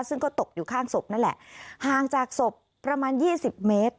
ซึ่งก็ตกอยู่ข้างศพนั่นแหละห่างจากศพประมาณยี่สิบเมตร